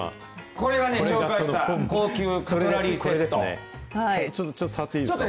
これが紹介した、高級カトラリーセット。